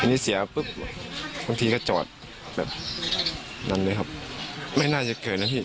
อันนี้เสียปุ๊บบางทีก็จอดแบบนั้นเลยครับไม่น่าจะเกิดนะพี่